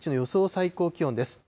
最高気温です。